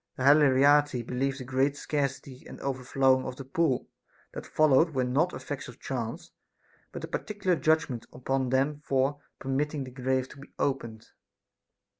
The Haliartii believe the great scarcity and overflowing of the pool that followed were not effects of chance, but a particular judgment upon them for permitting the grave to be opened.